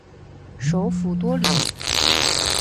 首府多里。